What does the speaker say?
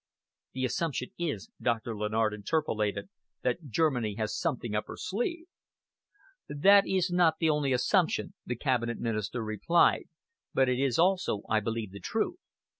"The assumption is," Doctor Lennard interpolated, "that Germany has something up her sleeve." "That is not only the assumption," the Cabinet Minister replied, "but it is also, I believe, the truth."